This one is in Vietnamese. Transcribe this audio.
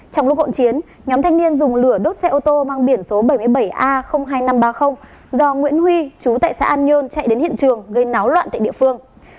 trong lúc hỗn chiến nhóm thanh niên dùng lửa đốt xe ô tô mang biển số bảy mươi bảy a hai nghìn năm trăm ba mươi do nguyễn huy chú tại xã an nhơn chạy đến hiện trường gây náo loạn tại địa phương